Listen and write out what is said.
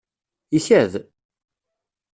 Ikad!